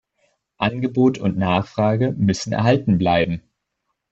Angebot und Nachfrage müssen erhalten bleiben.